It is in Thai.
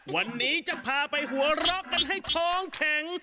วันนี้จะพาไปหัวเราะกันให้ท้องแข็ง